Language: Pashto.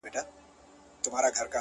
زما خو ټوله زنده گي توره ده،